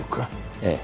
ええ。